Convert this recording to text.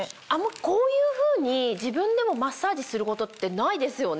こういうふうに自分でマッサージすることってないですよね。